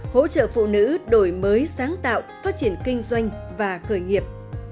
hỗ trợ phụ nữ đổi mới sáng tạo phát triển kinh doanh và khởi nghiệp